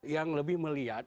yang lebih melihat